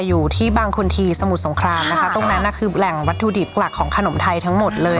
อยู่ที่บางคนทีสมุทรสงครามนะคะตรงนั้นน่ะคือแหล่งวัตถุดิบหลักของขนมไทยทั้งหมดเลย